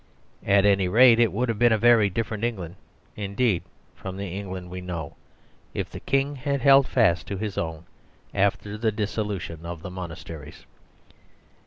At any rate, it would have been a very different England indeed from the Eng land we know, if the King had held fast to his own after the dissolution of the monasteries.